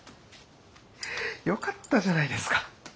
よかったじゃないですか。